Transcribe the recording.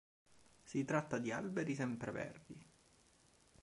Si tratta di alberi sempreverdi.